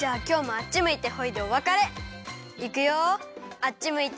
あっちむいてホイ！